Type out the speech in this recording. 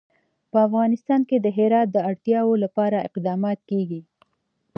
په افغانستان کې د هرات د اړتیاوو لپاره اقدامات کېږي.